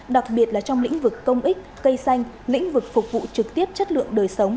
đặc biệt là trong lĩnh vực công ích cây xanh lĩnh vực phục vụ trực tiếp chất lượng đời sống